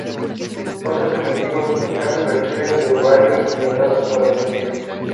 Otros enemigos, en cambio, requieren de varios puñetazos para sucumbir.